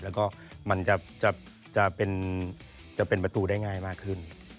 แล้วก็มันจะเป็นประตูได้ง่ายมากขึ้น